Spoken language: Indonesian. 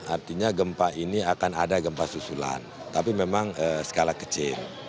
artinya gempa ini akan ada gempa susulan tapi memang skala kecil